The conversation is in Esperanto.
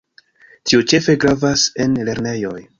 Tio ĉefe gravas en lernejoj.